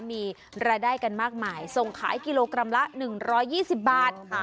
มีรายได้กันมากมายส่งขายกิโลกรัมละ๑๒๐บาท